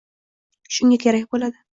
Shunga kerak boʻladi